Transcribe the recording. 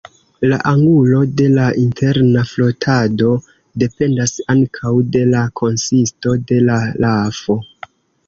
La angulo de la interna frotado dependas ankaŭ de la konsisto de la lafo.